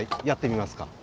やってみますか！